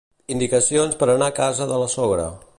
Indicacions per anar a casa de la sogra.